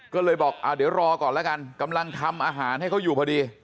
ก็เลยบอกเดี๋ยวรอก่อนแล้วกันกำลังทำอาหารให้เขาอยู่พอดี